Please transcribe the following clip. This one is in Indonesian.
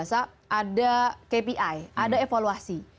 biasa biasa ada kpi ada evaluasi